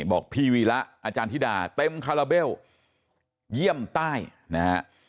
บอกพี่วีระอาจารย์ธิดาเต็มคาราเบลเยี่ยมใต้นะฮะ